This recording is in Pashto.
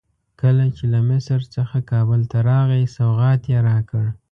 کله چې له مصر څخه کابل ته راغی سوغات یې راکړ.